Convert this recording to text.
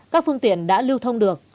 các phương tiện đã lưu thông được